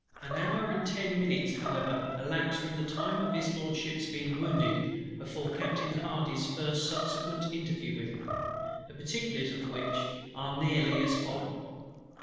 An hour and ten minutes however elapsed, from the time of His LORDSHIP's being wounded, before Captain HARDY's first subsequent interview with him; the particulars of which are nearly as follow.